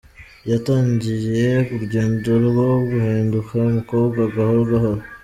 yatangiye urugendo rwo guhinduka umukobwa gahoro gahoro.